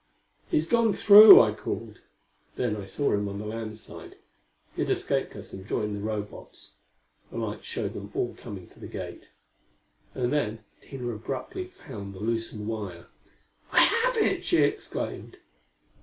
"He's gone through!" I called. Then I saw him on the land side. He had escaped us and joined the Robots. The lights showed them all coming for the gate. And then Tina abruptly found the loosened wire. "I have it!" she exclaimed.